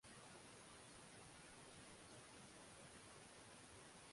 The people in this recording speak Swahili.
mgombea wa nafasi ya urais nchini guinea mukongwe wa kisiasa alfa konde